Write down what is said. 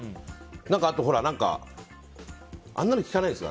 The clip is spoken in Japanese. あとあんなの利かないですか？